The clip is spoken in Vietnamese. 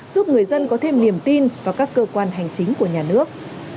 giúp người dân có thêm niềm tin vào các cơ quan hành chính của nhà nước